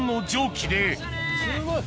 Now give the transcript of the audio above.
すごい！